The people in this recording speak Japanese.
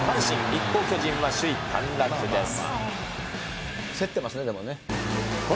一方、巨人は首位陥落です。